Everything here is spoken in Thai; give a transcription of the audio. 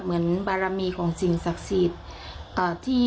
เหมือนบารมีของสิ่งศักดิ์สิทธิ์